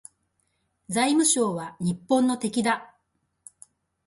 財務省は日本の敵だ